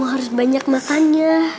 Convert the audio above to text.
kamu harus banyak makannya